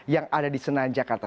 yang ada di senayan jakarta